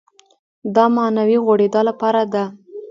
دا معنوي غوړېدا لپاره ده.